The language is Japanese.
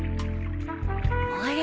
あれ？